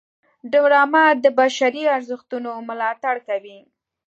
ډرامه د بشري ارزښتونو ملاتړ کوي